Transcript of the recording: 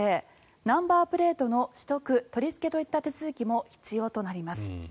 ナンバープレートの取得・取りつけといった手続きも必要となります。